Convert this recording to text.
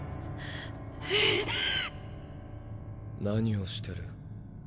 何をしてる？